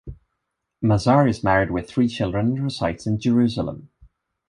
Mazar is married with three children and resides in Jerusalem.